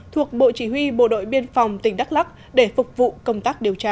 thuộc bộ chỉ huy bộ đội biên phòng tỉnh đắk lắc để phục vụ công tác điều tra